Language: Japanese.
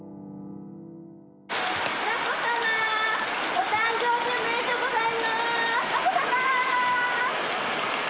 眞子さま、お誕生日おめでとうございます。